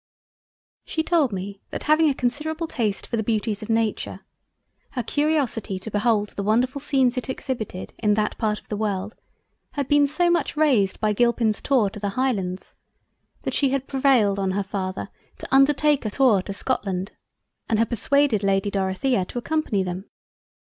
She told me that having a considerable taste for the Beauties of Nature, her curiosity to behold the delightful scenes it exhibited in that part of the World had been so much raised by Gilpin's Tour to the Highlands, that she had prevailed on her Father to undertake a Tour to Scotland and had persuaded Lady Dorothea to accompany them.